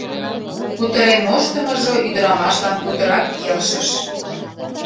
Кутырен моштымыжо ӱдырамашлан путырак келшыш.